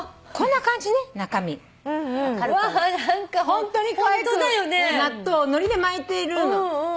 ホントにかわいく納豆をのりで巻いているの。